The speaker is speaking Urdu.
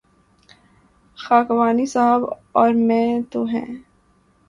خاکوانی صاحب اور میں تو ہیں۔